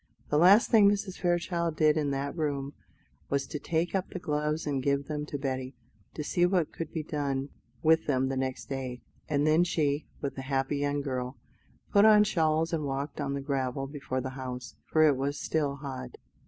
The last thing Mrs. Fairchild did in that room was to take up the gloves and give them to Betty, to see what could be done with them the next day, and then she, with the happy young girl, put on shawls and walked on the gravel before the house, for it was still hot.